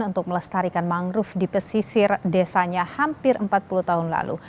untuk melestarikan mangrove di pesisir desanya hampir empat puluh tahun lalu